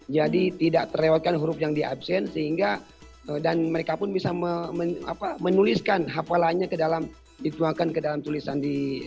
jadi tidak terlewatkan huruf yang diabsen sehingga dan mereka pun bisa menuliskan hafalannya ke dalam al quran